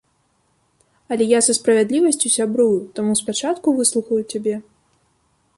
Але я са справядлівасцю сябрую, таму спачатку выслухаю цябе.